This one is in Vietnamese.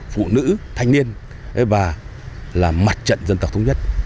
phụ nữ thanh niên và là mặt trận dân tộc thống nhất